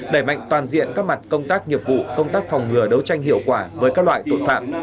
đẩy mạnh toàn diện các mặt công tác nghiệp vụ công tác phòng ngừa đấu tranh hiệu quả với các loại tội phạm